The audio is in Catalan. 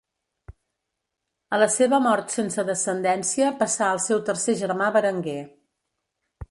A la seva mort sense descendència passà al seu tercer germà Berenguer.